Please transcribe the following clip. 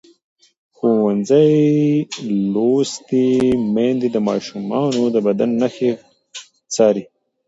ښوونځې لوستې میندې د ماشومانو د بدن نښې څاري.